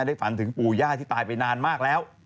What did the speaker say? ฝันถึงปู่ย่าที่ตายไปนานมากแล้ว